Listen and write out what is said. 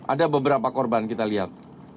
ada beberapa korban kita lihat